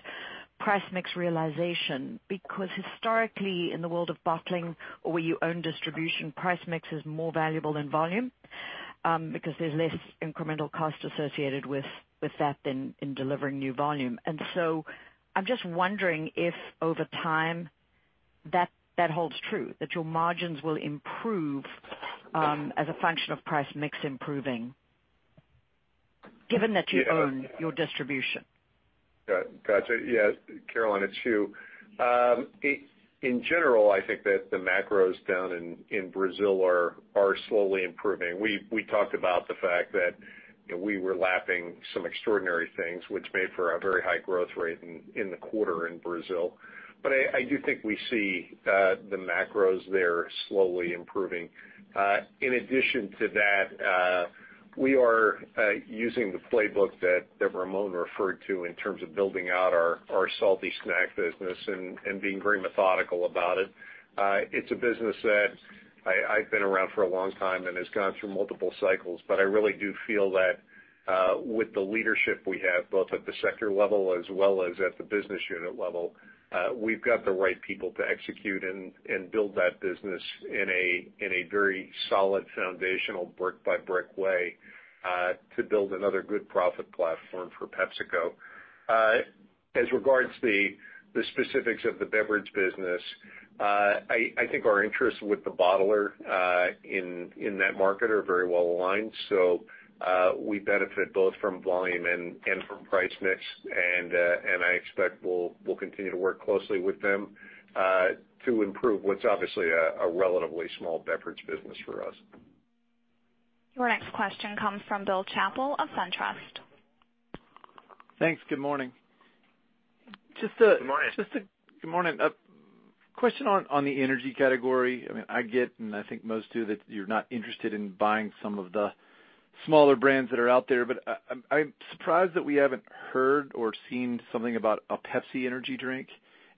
price mix realization, because historically in the world of bottling or where you own distribution, price mix is more valuable than volume, because there's less incremental cost associated with that than in delivering new volume. I'm just wondering if over time that holds true, that your margins will improve as a function of price mix improving given that you own your distribution. Gotcha. Yeah, Caroline, it's Hugh. In general, I think that the macros down in Brazil are slowly improving. We talked about the fact that we were lapping some extraordinary things, which made for a very high growth rate in the quarter in Brazil. I do think we see the macros there slowly improving. In addition to that, we are using the playbook that Ramon referred to in terms of building out our salty snack business and being very methodical about it. It's a business that I've been around for a long time and has gone through multiple cycles. I really do feel that with the leadership we have, both at the sector level as well as at the business unit level, we've got the right people to execute and build that business in a very solid foundational brick by brick way to build another good profit platform for PepsiCo. As regards the specifics of the beverage business, I think our interests with the bottler in that market are very well aligned. We benefit both from volume and from price mix, and I expect we'll continue to work closely with them to improve what's obviously a relatively small beverage business for us. Your next question comes from Bill Chappell of SunTrust. Thanks. Good morning. Good morning. Good morning. A question on the energy category. I get, and I think most do, that you're not interested in buying some of the smaller brands that are out there. I'm surprised that we haven't heard or seen something about a Pepsi energy drink.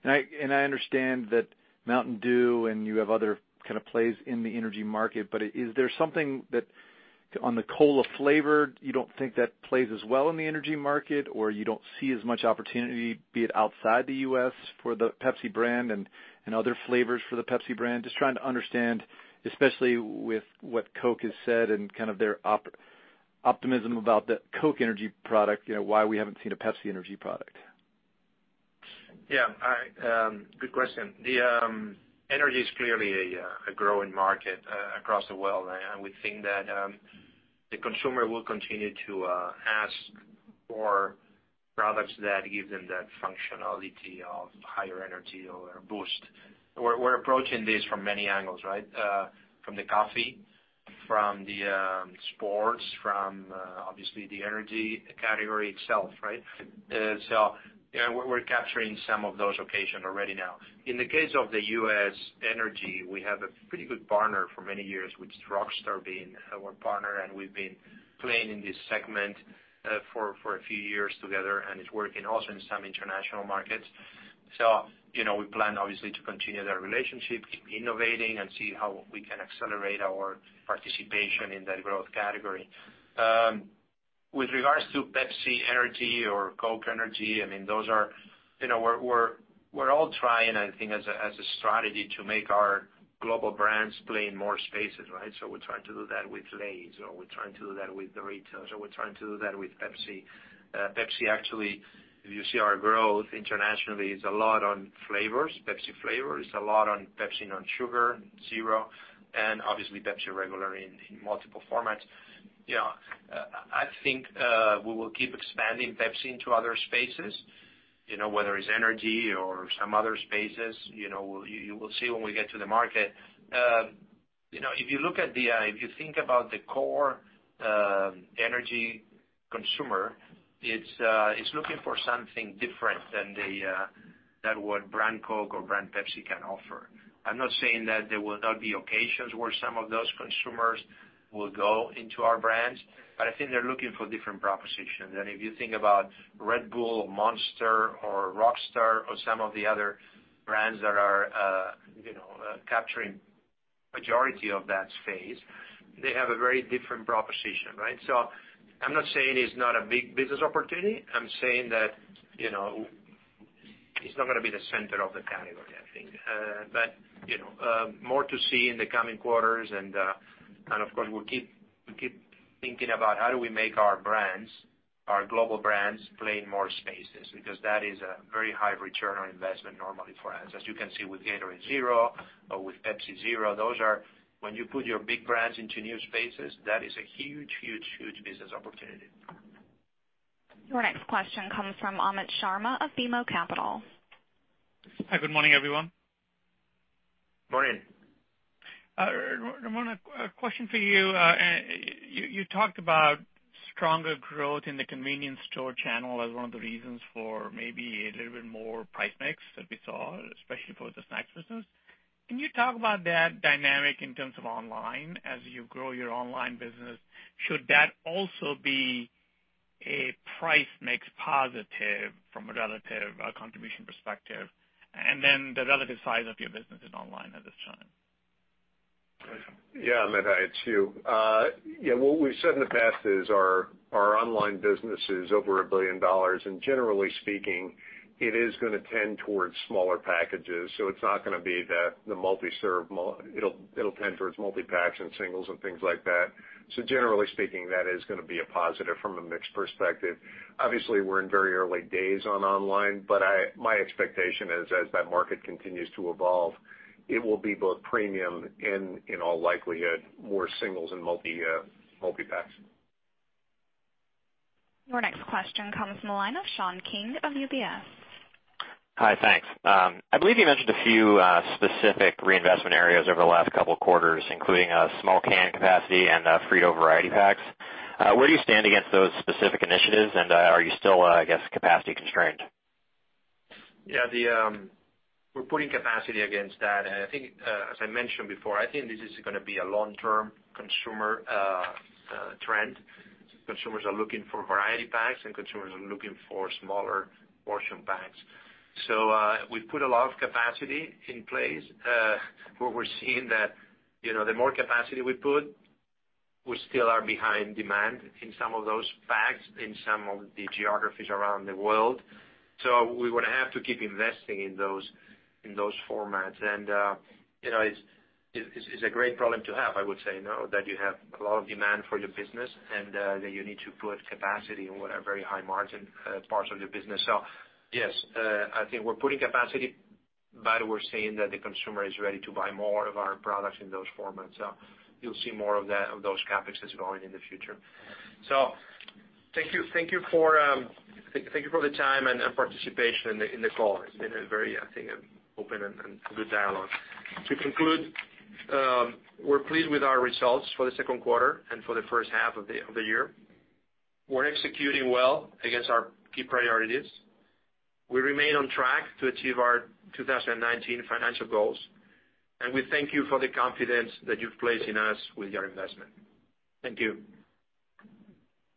I understand that Mountain Dew and you have other kind of plays in the energy market, but is there something that on the cola flavor, you don't think that plays as well in the energy market, or you don't see as much opportunity, be it outside the U.S. for the Pepsi brand and other flavors for the Pepsi brand? Just trying to understand, especially with what Coke has said and kind of their optimism. Optimism about the Coca-Cola Energy product, why we haven't seen a Pepsi energy product? Yeah. Good question. The energy is clearly a growing market across the world. We think that the consumer will continue to ask for products that give them that functionality of higher energy or a boost. We're approaching this from many angles, right? From the coffee, from the sports, from obviously the energy category itself, right? We're capturing some of those occasion already now. In the case of the U.S. energy, we have a pretty good partner for many years, which is Rockstar being our partner. We've been playing in this segment for a few years together, and it's working also in some international markets. We plan obviously to continue that relationship, keep innovating, and see how we can accelerate our participation in that growth category. With regards to Pepsi energy or Coke energy, I mean, we're all trying, I think, as a strategy to make our global brands play in more spaces, right? We're trying to do that with Lay's, or we're trying to do that with the retailers, or we're trying to do that with Pepsi. Pepsi actually, if you see our growth internationally, is a lot on flavors, Pepsi flavors. A lot on Pepsi Zero Sugar, and obviously Pepsi regular in multiple formats. I think we will keep expanding Pepsi into other spaces, whether it's energy or some other spaces. You will see when we get to the market. If you think about the core energy consumer, it's looking for something different than what brand Coke or brand Pepsi can offer. I'm not saying that there will not be occasions where some of those consumers will go into our brands, but I think they're looking for different propositions. If you think about Red Bull, Monster or Rockstar or some of the other brands that are capturing majority of that space, they have a very different proposition, right? I'm not saying it's not a big business opportunity. I'm saying that it's not going to be the center of the category, I think. But more to see in the coming quarters, and of course, we'll keep thinking about how do we make our brands, our global brands, play in more spaces, because that is a very high return on investment normally for us. As you can see with Gatorade Zero or with Pepsi Zero, when you put your big brands into new spaces, that is a huge business opportunity. Your next question comes from Amit Sharma of BMO Capital. Hi, good morning, everyone. Morning. Ramon, a question for you. You talked about stronger growth in the convenience store channel as one of the reasons for maybe a little bit more price mix that we saw, especially for the snacks business. Can you talk about that dynamic in terms of online, as you grow your online business? Should that also be a price mix positive from a relative contribution perspective? Then the relative size of your businesses online at this time. Yeah, Amit. Hi, it's Hugh. What we've said in the past is our online business is over $1 billion, generally speaking, it is going to tend towards smaller packages. It's not going to be the multi-serve. It'll tend towards multi-packs and singles and things like that. Generally speaking, that is going to be a positive from a mix perspective. Obviously, we're in very early days on online, my expectation is as that market continues to evolve, it will be both premium in all likelihood, more singles and multi-packs. Your next question comes from the line of Sean King of UBS. Hi, thanks. I believe you mentioned a few specific reinvestment areas over the last couple of quarters, including small can capacity and Frito variety packs. Where do you stand against those specific initiatives, are you still, I guess, capacity constrained? We're putting capacity against that. I think, as I mentioned before, I think this is going to be a long-term consumer trend. Consumers are looking for variety packs, and consumers are looking for smaller portion packs. We put a lot of capacity in place. What we're seeing that the more capacity we put, we still are behind demand in some of those packs in some of the geographies around the world. We would have to keep investing in those formats. It's a great problem to have, I would say, that you have a lot of demand for your business and that you need to put capacity in what are very high-margin parts of your business. Yes, I think we're putting capacity, but we're seeing that the consumer is ready to buy more of our products in those formats. You'll see more of those CapEx that's going in the future. Thank you for the time and participation in the call. It's been a very, I think, open and good dialogue. To conclude, we're pleased with our results for the second quarter and for the first half of the year. We're executing well against our key priorities. We remain on track to achieve our 2019 financial goals. We thank you for the confidence that you've placed in us with your investment. Thank you.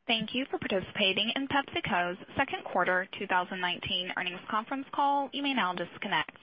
Thank you for participating in PepsiCo's second quarter 2019 earnings conference call. You may now disconnect.